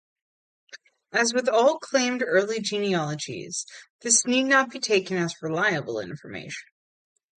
As with all claimed early genealogies, this need not be taken as reliable information.